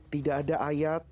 tidak ada ayat